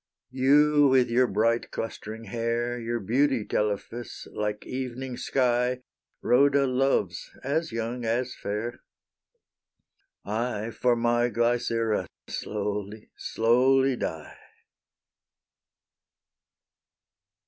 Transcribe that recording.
You with your bright clustering hair, Your beauty, Telephus, like evening's sky, Rhoda loves, as young, as fair; I for my Glycera slowly, slowly die.